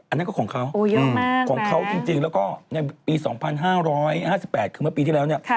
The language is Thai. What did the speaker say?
อันนั้นก็ของเขาของเขาจริงแล้วก็ในปี๒๕๕๘คือเมื่อปีที่แล้วเนี่ย